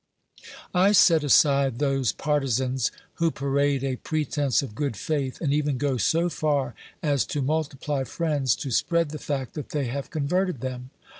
I set aside those partisans who parade a pretence of good faith, and even go so far as to multiply friends to spread the fact that they have converted them.